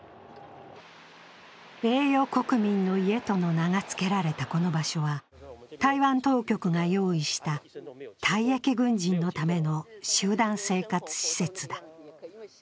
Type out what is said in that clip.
栄誉国民の家との名がつけられたこの場所は台湾当局が用意した退役軍人のための集団生活施設だ。